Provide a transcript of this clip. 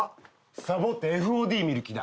サボってＦＯＤ見る気だ。